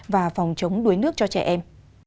và phòng chống đuối nước cho trẻ em